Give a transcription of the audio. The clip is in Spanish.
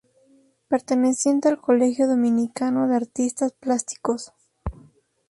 Perteneciente al Colegio Dominicano de Artistas Plásticos.